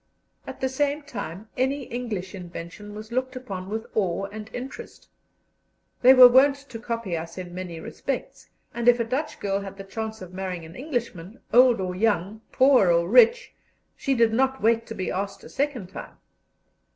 At the same time any English invention was looked upon with awe and interest; they were wont to copy us in many respects, and if a Dutch girl had the chance of marrying an Englishman, old or young, poor or rich, she did not wait to be asked a second time.